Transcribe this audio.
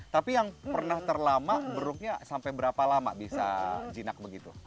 tapi yang pernah terlama buruknya sampai berapa lama bisa jinak begitu